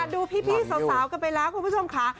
ดูพี่สาวกันไปแล้วคุณผู้ชมค่ะ